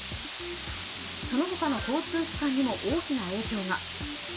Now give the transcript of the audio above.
その他の交通機関にも大きな影響が。